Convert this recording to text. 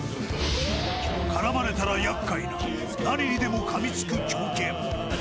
絡まれたら厄介な何にでもかみつく狂犬。